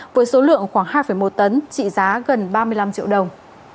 với số lượng khoảng hai một tấn trị giá gần ba mươi năm triệu đồng